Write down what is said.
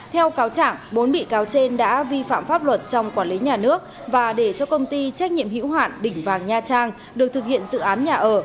theo cáo chẳng bốn bị cáo trên đã vi phạm pháp luật trong quản lý nhà nước và để cho công ty trách nhiệm hữu hoạn đỉnh vàng nha trang được thực hiện dự án nhà ở